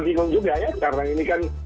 bingung juga ya karena ini kan